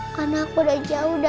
karena aku udah jauh dari mama